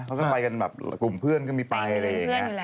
เขาก็ไปกันแบบกลุ่มเพื่อนก็มีไปอะไรอย่างนี้